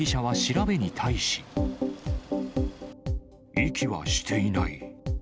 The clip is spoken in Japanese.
遺棄はしていない。